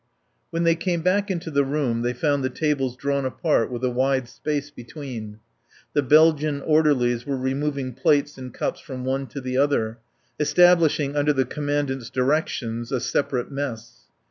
When they came back into the room they found the tables drawn apart with a wide space between. The Belgian orderlies were removing plates and cups from one to the other, establishing under the Commandant's directions a separate mess.